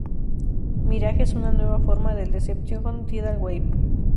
Mirage es una nueva forma del Decepticon Tidal Wave.